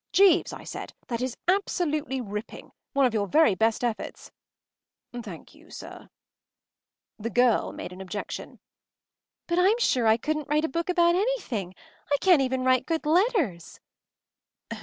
“Jeeves,” I said, “that is absolutely ripping! One of your very best efforts.” “Thank you, sir.” The girl made an objection. “But I’m sure I couldn’t write a book about anything. I can’t even write good letters.